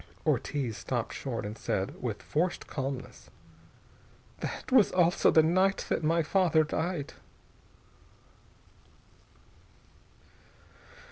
_" Ortiz stopped short and said, in forced calmness: "That also was the night that my father died."